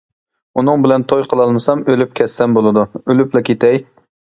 ئۇنىڭ بىلەن توي قىلالمىسام ئۆلۈپ كەتسەم بولىدۇ، ئۆلۈپلا كېتەي!